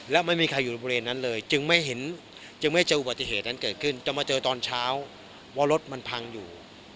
แล้วไม่มีใครอยู่ในบริเวณนั้นเลยจึงไม่เห็นจึงไม่เจออุบัติเหตุนั้นเกิดขึ้นจะมาเจอตอนเช้าว่ารถมันพังอยู่